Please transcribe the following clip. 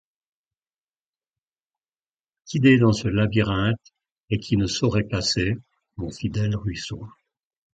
guider dans ce labyrinthe, et qui ne saurait casser, mon fidèle ruisseau.